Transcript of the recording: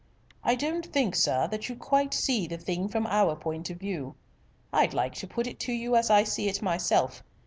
"I don't think, sir, that you quite see the thing from our point of view. I'd like to put it to you as I see it myself.